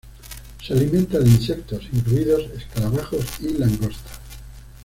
Se alimenta de insectos, incluidos escarabajos y langostas.